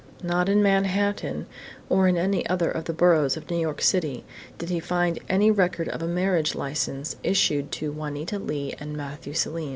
Not in Manhattan, or in any of the other boroughs of New York City, did he find any record of a marriage license issued to Juanita Leigh and Matthew Selim.